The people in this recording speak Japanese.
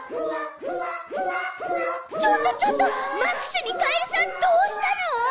ちょっとちょっとマックスにカエルさんどうしたの？